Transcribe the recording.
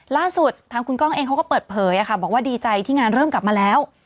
ล่าสุดทางคุณก้องเองเขาก็เปิดเผยบอกว่าดีใจที่งานเริ่มกลับมาแล้ว